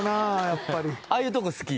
やっぱりああいうとこ好き？